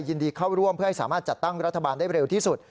ยินดีเข้าร่วมเพื่อให้สามารถจัดตั้งรัฐบาลได้เร็วที่สุด